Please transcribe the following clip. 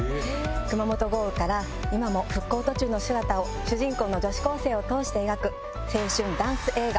熊本豪雨から今も復興途中の姿を主人公の女子高生を通して描く青春ダンス映画。